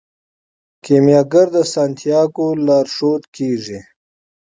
کیمیاګر د سانتیاګو لارښود کیږي.